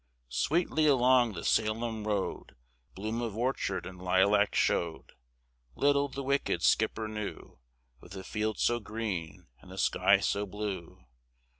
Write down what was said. Sweetly along the Salem road Bloom of orchard and lilac showed. Little the wicked skipper knew Of the fields so green and the sky so blue.